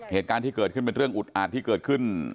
เหตุการณ์ที่เกิดขึ้นเป็นเรื่องอุดอาจที่เกิดขึ้น